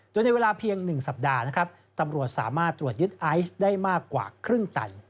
โดยในเวลาเพียง๑สัปดาห์นะครับตำรวจสามารถตรวจยึดไอซ์ได้มากกว่าครึ่งตัน